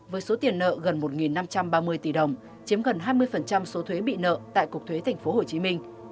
với số tiền nợ gần một năm trăm ba mươi tỷ đồng chiếm gần hai mươi số thuế bị nợ tại cục thuế tp hcm